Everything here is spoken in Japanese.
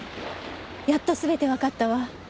やっと全てわかったわ。